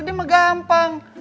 dia mah gampang